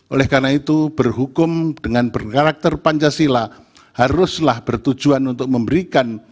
oleh karena itu berhukum dengan berkarakter pancasila haruslah bertujuan untuk memberikan